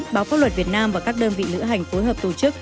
báo pháp luật việt nam và các đơn vị lữ hành phối hợp tổ chức